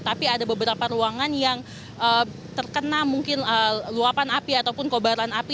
tapi ada beberapa ruangan yang terkena mungkin luapan api ataupun kobaran api